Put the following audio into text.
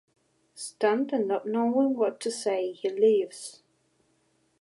Stunned and not knowing what to say, he leaves.